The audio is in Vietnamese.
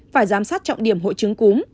phải giám sát trọng điểm hội chứng cúm